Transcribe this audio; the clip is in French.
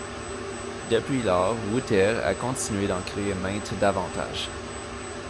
Depuis lors Wouters a continué d'en créer maintes davantage.